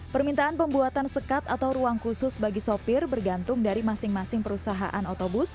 permintaan pembuatan sekat atau ruang khusus bagi sopir bergantung dari masing masing perusahaan otobus